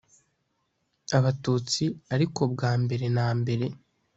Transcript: abatutsi ariko bwa mbere na mbere